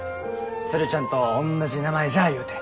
鶴ちゃんとおんなじ名前じゃゆうて。